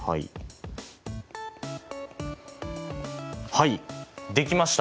はいできました。